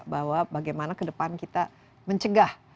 bahwa bagaimana ke depan kita mencegah